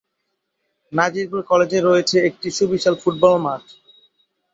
নাজিরপুর কলেজে রয়েছে একটি সুবিশাল ফুটবল মাঠ।